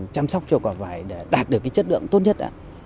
chăm sóc cho quả vải để đạt được cái chất lượng tốt nhất ạ